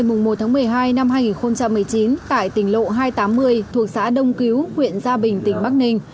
trước đó ngày một một mươi hai hai nghìn một mươi chín tại tỉnh lộ hai trăm tám mươi thuộc xã đông cứu huyện gia bình tỉnh bắc ninh